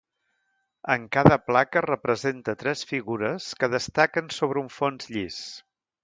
En cada placa es representa tres figures que destaquen sobre un fons llis.